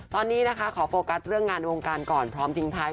ตอนนี้นะคะขอโฟกัสเรื่องงานวงการก่อนพร้อมทิ้งท้าย